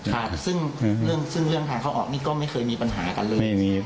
ครับซึ่งเรื่องซึ่งเรื่องทางเข้าออกนี่ก็ไม่เคยมีปัญหากันเลย